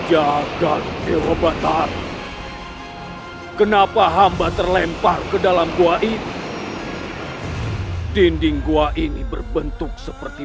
hai jaga dewa batari kenapa hamba terlempar ke dalam gua ini dinding gua ini berbentuk seperti